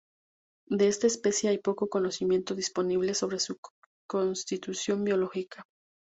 De esta especie hay poco conocimiento disponible sobre su constitución biológica.